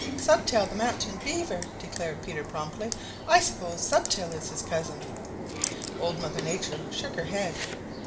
"Stubtail the Mountain Beaver," declared Peter promptly. "I suppose Stubtail is his cousin." Old Mother Nature shook her head.